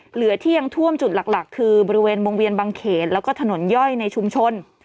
เหลือที่ยังท่วมจุดหลักคือบริเวณวงเวียนบางเขตแล้วก็ถนนย่อยในชุมชน